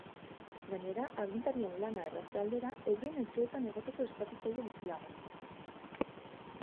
Gainera, agintarien lana errazte aldera, euren etxeetan egoteko eskatu zaie bizilagunei.